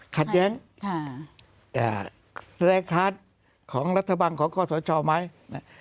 ขัดแย้งค่ะเอ่อแสดงขาดของรัฐบังของข้อสรชาวไม้เนี่ย